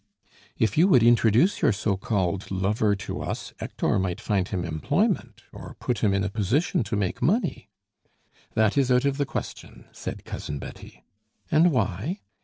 "If you would introduce your so called lover to us, Hector might find him employment, or put him in a position to make money." "That is out of the question," said Cousin Betty. "And why?"